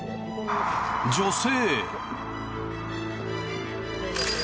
女性。